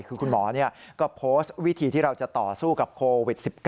คือคุณหมอก็โพสต์วิธีที่เราจะต่อสู้กับโควิด๑๙